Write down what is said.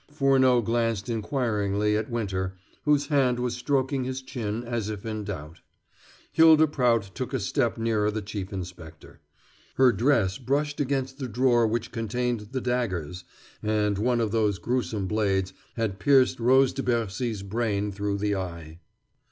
Furneaux glanced inquiringly at Winter, whose hand was stroking his chin as if in doubt. Hylda Prout took a step nearer the Chief Inspector. Her dress brushed against the drawer which contained the daggers, and one of those grewsome blades had pierced Rose de Bercy's brain through the eye.